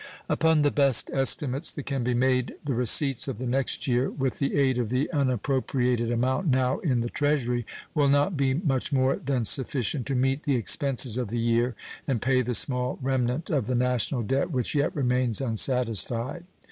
Upon the best estimates that can be made the receipts of the next year, with the aid of the unappropriated amount now in the Treasury, will not be much more than sufficient to meet the expenses of the year and pay the small remnant of the national debt which yet remains unsatisfied.